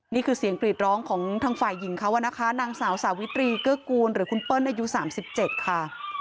นี่คือเสียงกรีดร้องของทางฝ่ายหญิงเขานะคะนางสาวสาวิตรีเกื้อกูลหรือคุณเปิ้ลอายุ๓๗ค่ะ